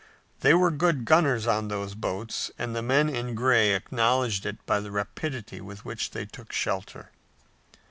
They were good gunners on those boats and the men in gray acknowledged it by the rapidity with which they took to shelter.